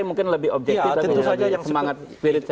itu kan lebih objektif